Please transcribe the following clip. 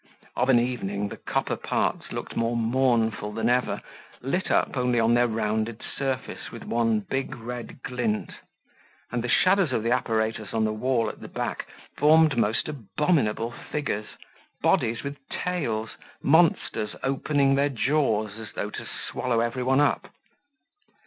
Of an evening, the copper parts looked more mournful than ever, lit up only on their rounded surface with one big red glint; and the shadow of the apparatus on the wall at the back formed most abominable figures, bodies with tails, monsters opening their jaws as though to swallow everyone up.